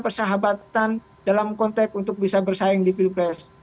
persahabatan dalam konteks untuk bisa bersaing di pilpres